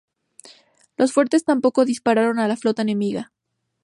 Los fuertes tampoco dispararon a la flota enemiga.